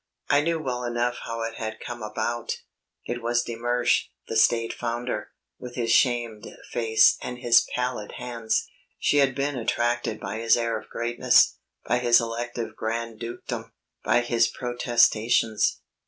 I knew well enough how it had come about. It was de Mersch the State Founder, with his shamed face and his pallid hands. She had been attracted by his air of greatness, by his elective grand dukedom, by his protestations.